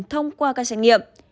thông qua các xét nghiệm